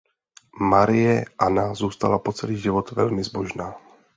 Marie Anna zůstala po celý život velmi zbožná.